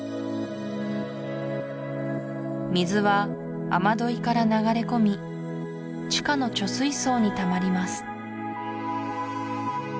水は雨どいから流れ込み地下の貯水槽にたまります